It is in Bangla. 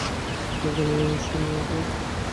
এখানে শোন তো।